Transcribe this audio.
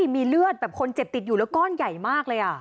มีเลือดแบบคนเจ็บติดอยู่แล้วก้อนใหญ่มากเลย